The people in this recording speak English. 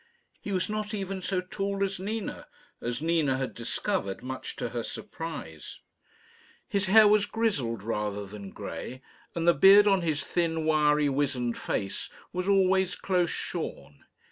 He was not even so tall as Nina, as Nina had discovered, much to her surprise. His hair was grizzled, rather than grey, and the beard on his thin, wiry, wizened face was always close shorn.